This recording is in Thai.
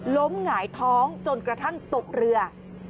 หงายท้องจนกระทั่งตกเรือ